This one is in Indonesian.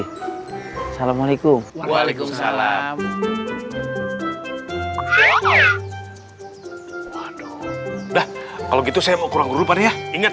hai assalamualaikum waalaikumsalam udah kalau gitu saya mau kurang kurangnya inget